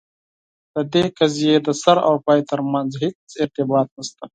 د دې قضیې د سر او پای ترمنځ هیڅ ارتباط نسته.